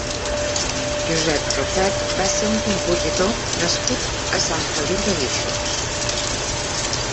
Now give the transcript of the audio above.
Josep Rufet va ser un compositor nascut a Sant Feliu de Guíxols.